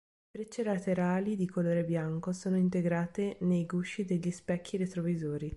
Le frecce laterali di colore bianco sono integrate nei gusci degli specchi retrovisori.